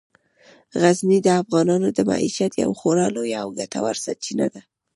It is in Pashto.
غزني د افغانانو د معیشت یوه خورا لویه او ګټوره سرچینه ده.